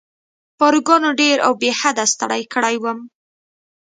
پاروګانو ډېر او بې حده ستړی کړی وم.